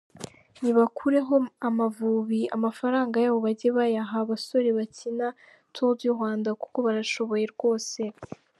Nibakureho Amavubi, amafaranga yaho bajye bayaha abasore bakina Tour du Rwanda kuko barashoboye rwose.